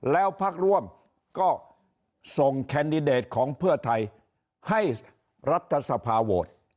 แล้วพักร่วมก็ส่งแคนดิเดตของเพื่อไทยให้รัฐสภาโหวต